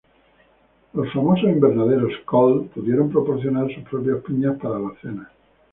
Los famosos invernaderos Colt pudieron proporcionar sus propias piñas para las cenas.